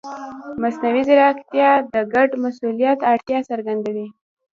مصنوعي ځیرکتیا د ګډ مسؤلیت اړتیا څرګندوي.